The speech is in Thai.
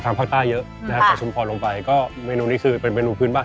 ว่าเชฟนี่อยากจะมีลูกศิษย์อย่างเรารึเปล่า